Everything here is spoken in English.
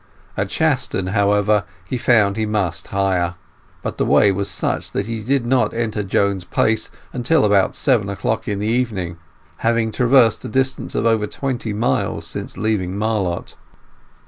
At Shaston, however, he found he must hire; but the way was such that he did not enter Joan's place till about seven o'clock in the evening, having traversed a distance of over twenty miles since leaving Marlott.